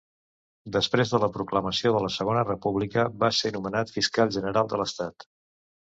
Després de la proclamació de la Segona República va ser nomenat Fiscal General de l'Estat.